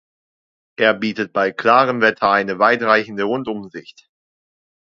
Er bietet bei klarem Wetter eine weit reichende Rundumsicht.